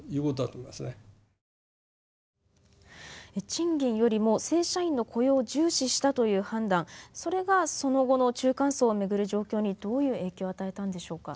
賃金よりも正社員の雇用を重視したという判断それがその後の中間層を巡る状況にどういう影響を与えたんでしょうか。